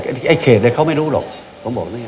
ก็อันนี้แต่ไอ่เขตเนี่ยเขาไม่รู้หรอกผมบอกนี่น่ะ